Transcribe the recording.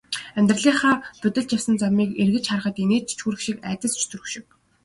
Амьдралынхаа будилж явсан замыг эргэж харахад инээд ч хүрэх шиг, айдас ч төрөх шиг.